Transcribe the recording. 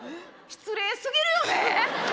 失礼すぎるよね。